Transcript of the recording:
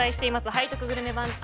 背徳グルメ番付